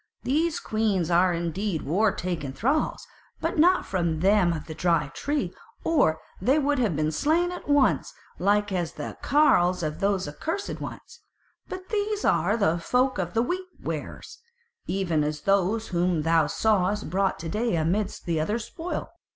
These queens are indeed war taken thralls, but not from them of the Dry Tree, or they would have been slain at once, like as the carles of those accursed ones. But these are of the folk of the Wheat wearers, even as those whom thou sawest brought to day amidst the other spoil.